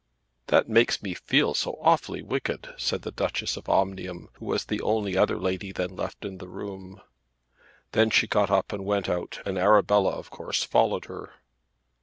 "That makes me feel so awfully wicked," said the Duchess of Omnium, who was the only other lady then left in the room. Then she got up and went out and Arabella of course followed her.